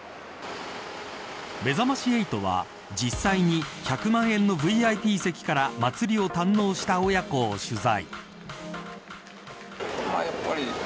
めざまし８は実際に１００万円のＶＩＰ席から祭りを堪能した親子を取材。